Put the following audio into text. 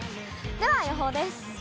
では、予報です。